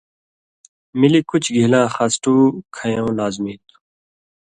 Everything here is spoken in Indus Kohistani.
ملی کُچ گھیلاں خس ٹُو کھیؤں لازمی تُھو۔